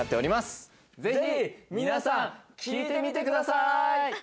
ぜひ皆さん聴いてみてください！